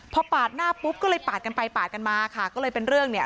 พอปาดหน้าปุ๊บก็เลยปาดกันไปปาดกันมาค่ะก็เลยเป็นเรื่องเนี่ย